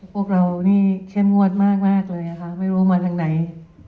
พวกเรานี่เข้มงวดมากเลยนะคะไม่รู้มาทางไหน